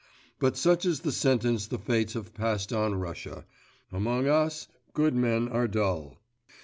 But such is the sentence the fates have passed on Russia; among us, good men are dull.